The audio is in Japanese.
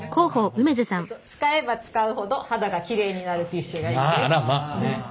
使えば使うほど肌がきれいになるティッシュがいいです。